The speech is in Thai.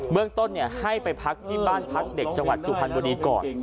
เมืองต้นให้ไปพักที่บ้านพักเด็กจังหวัดสุพรรณบุรีก่อน